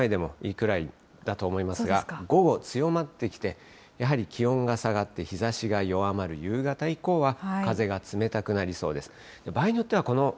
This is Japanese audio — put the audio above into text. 昼前後は、まだ長袖１枚でもいいくらいだと思いますが、午後、強まってきて、やはり気温が下がって、日ざしが弱まる夕方以降は、風が冷たくなりそうです。